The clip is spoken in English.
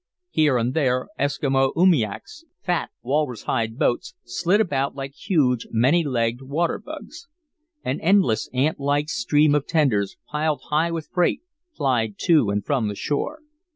Here and there Eskimo oomiaks, fat, walrus hide boats, slid about like huge, many legged water bugs. An endless, ant like stream of tenders, piled high with freight, plied to and from the shore.